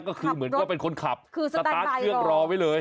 ก็คือเหมือนก็เป็นคนขับคือสตาร์ทเครื่องรอไว้เลย